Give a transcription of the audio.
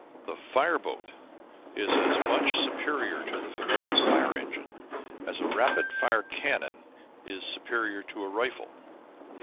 The fire boat is as much superior to the familiar fire engine as a rapid fire cannon is superior to a rifle.